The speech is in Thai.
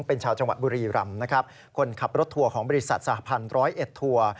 เป็นชาวจังหวัดบุรีรำนะครับคนขับรถทัวร์ของบริษัทสหพันธ์ร้อยเอ็ดทัวร์